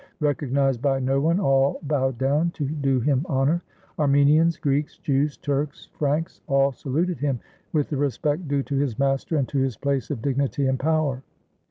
Recognized by no one, all bowed down to do him honor. Armenians, Greeks, Jews, Turks, Franks, all saluted him with the respect due to his master and to his place of dignity and power.